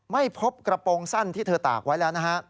ไม่พบกระโปรงสั้นที่เธอตากไว้แล้วนะฮะ